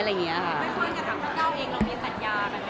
ว่างเก่าหนึ่งเรามีสัญญากฎไหมคะ